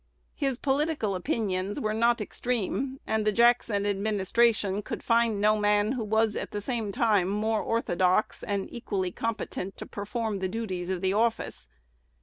His political opinions were not extreme; and the Jackson administration could find no man who was at the same time more orthodox and equally competent to perform the duties of the office.